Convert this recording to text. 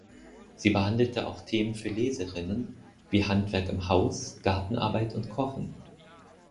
Sie behandelte auch Themen für Leserinnen, wie Handwerk im Haus, Gartenarbeit und Kochen.